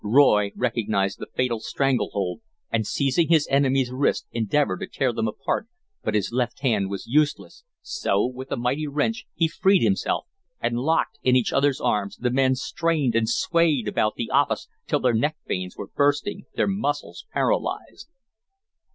Roy recognized the fatal "strangle hold," and, seizing his enemy's wrists, endeavored to tear them apart, but his left hand was useless, so with a mighty wrench he freed himself, and, locked in each other's arms, the men strained and swayed about the office till their neck veins were bursting, their muscles paralyzed.